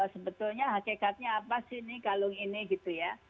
sebetulnya hakikatnya apa sih ini kalung ini gitu ya